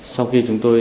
sau khi chúng tôi